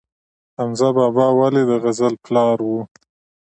حمزه بابا ولې د غزل پلار و؟